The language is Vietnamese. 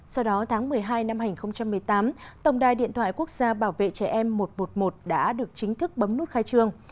sau đó tháng một mươi hai năm hai nghìn một mươi tám tổng đài điện thoại quốc gia bảo vệ trẻ em một trăm một mươi một đã được chính thức bấm nút khai trương